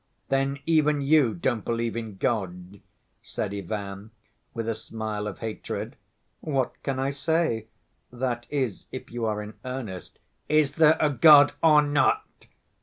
"Then even you don't believe in God?" said Ivan, with a smile of hatred. "What can I say?—that is, if you are in earnest—" "Is there a God or not?"